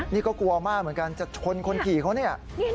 นี่ก็กลัวมากแบบกันจะชนคนขี่เขานี่